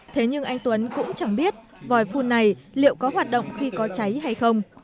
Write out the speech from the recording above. thế nhưng anh tuấn cũng chẳng biết vòi phun này liệu có hoạt động khi có cháy hay không